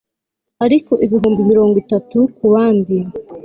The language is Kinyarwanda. Ariko ibihumbi mirongo itatu kubandi